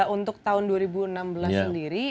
untuk tahun dua ribu enam belas sendiri